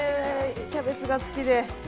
キャベツが好きで。